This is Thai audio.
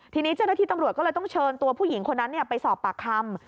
ทีนี้เจ้าหน้าที่ตำรวจก็เลยต้องเชิญตัวผู้หญิงคนนั้นไปสอบปากคำ